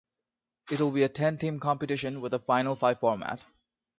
It will be a ten team competition with a final five format.